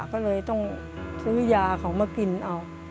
ก็เลยต้องซื้อยาเขามากินเอา